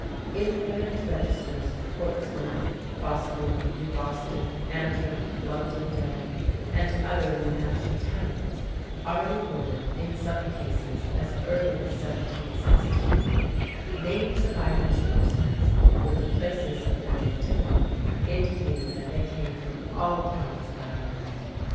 In the marriage registers of Portsmouth, Boscawen, New Boston, Antrim, Londonderry, and other New Hampshire towns, are recorded, in some cases as early as 1716, names of Irish persons, with the places of their nativity, indicating that they came from all parts of Ireland.